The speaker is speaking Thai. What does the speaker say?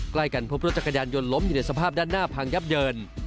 ใกล้กันพบรถจักรยานยนต์ล้มอยู่ในสภาพด้านหน้าพังยับเยิน